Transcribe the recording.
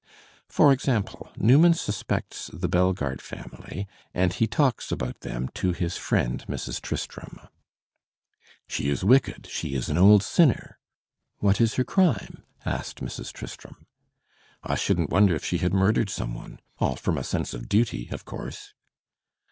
For example, Newman suspects the Bellegarde family, and he talks about them to his friend Mrs. Tristram. "*She is wicked, she is an old sinner.* "'What is her crime?' asked Mrs. Tristram. "*I shouldn't wonder if she had murdered some one — all from a sense of duty, of course.